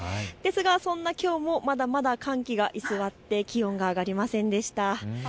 ですが、そんなきょうもまだまだ寒気が居座って気温が上がりませんでした。